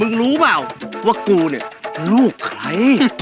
รู้เปล่าว่ากูเนี่ยลูกใคร